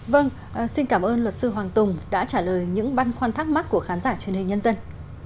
vâng xin cảm ơn luật sư hoàng tùng đã trả lời những băn khoăn thắc mắc của khán giả truyền hình nhân dân